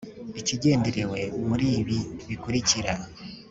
ikigenderewe muri ibi bikurikira